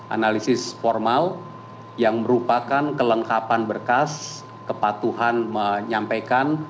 analisis formal yang merupakan kelengkapan berkas kepatuhan menyampaikan